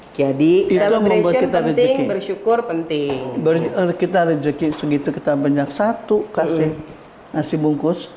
hai jadi kita bersyukur penting kita rezeki segitu kita banyak satu kasih nasi bungkus